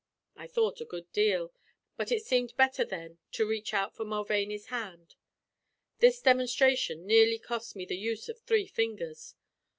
I thought a good deal, but it seemed better then to reach out for Mulvaney's hand. This demonstration nearly cost me the use of three fingers.